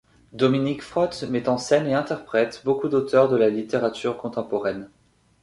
Dominique Frot met en scène et interprète beaucoup d’auteurs de la littérature contemporaine.